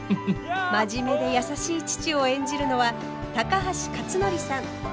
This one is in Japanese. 真面目で優しい父を演じるのは高橋克典さん。